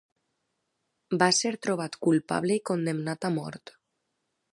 Va ser trobat culpable i condemnat a mort.